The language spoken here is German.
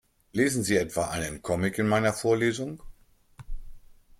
Lesen Sie etwa einen Comic in meiner Vorlesung?